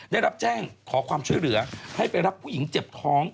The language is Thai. ได้รับแจ้งขอความช่วยเหลือให้ไปรับผู้หญิงเจ็บท้อง